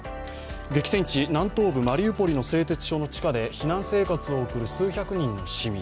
激戦地・南東部マリウポリの製鉄所の地下で避難生活を送る数百人の市民。